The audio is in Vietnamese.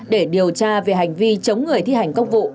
để điều tra về hành vi chống người thi hành công vụ